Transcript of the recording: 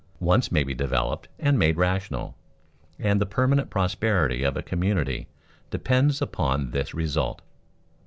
_ Wants may be developed and made rational, and the permanent prosperity of a community depends upon this result.